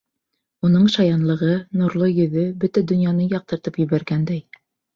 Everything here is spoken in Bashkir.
Уның шаянлығы, нурлы йөҙө бөтә донъяны яҡтыртып ебәргәндәй.